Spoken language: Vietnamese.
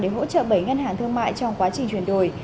để hỗ trợ bảy ngân hàng thương mại trong quá trình chuyển đổi